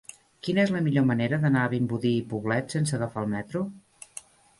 Quina és la millor manera d'anar a Vimbodí i Poblet sense agafar el metro?